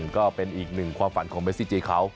ก็เป็นอีกหนึ่งความฝันของเมซิจีเขา